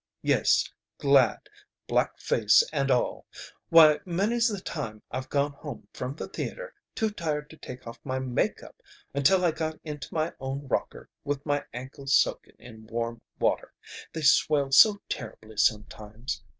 Yes, glad black face and all! Why, many's the time I've gone home from the theater, too tired to take off my make up until I got into my own rocker with my ankles soaking in warm water. They swell so terribly sometimes.